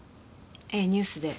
ええニュースで。